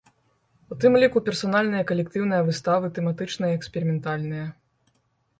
У тым ліку персанальныя і калектыўныя выставы, тэматычныя і эксперыментальныя.